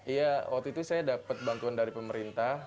iya waktu itu saya dapat bantuan dari pemerintah